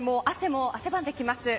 汗ばんできます。